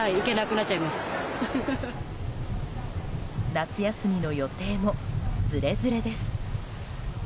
夏休みの予定もずれずれです。